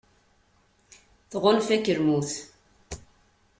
Tɣunfa-k lmut.